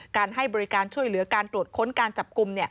การให้บริการช่วยเหลือการตรวจค้นการจับกลุ่ม